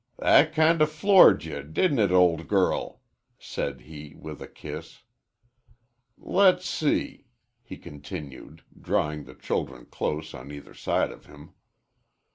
"That kind o' floored ye, didn't it, old girl?" said he, with a kiss. "Le's see," he continued, drawing the children close on either side of him.